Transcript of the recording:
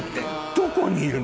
どこにいるの？